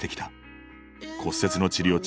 骨折の治療中